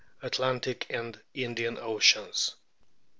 Atlantic and Indian Oceans.